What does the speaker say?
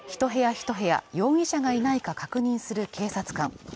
１部屋容疑者がいないか確認する警察官。